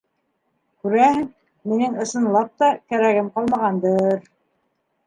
Күрәһең, минең, ысынлап та, кәрәгем ҡалмағандыр...